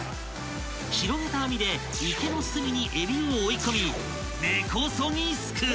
［広げた網で池の隅にえびを追い込み根こそぎすくう］